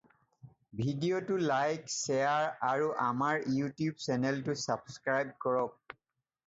ভিডিঅ'টো like, share আৰু আমাৰ ইউটিউব চেনেলটো ছাব্স্ক্ৰাইব কৰক।